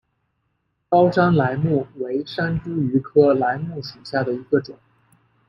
高山梾木为山茱萸科梾木属下的一个种。